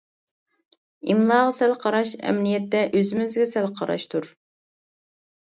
ئىملاغا سەل قاراش، ئەمەلىيەتتە ئۆزىمىزگە سەل قاراشتۇر!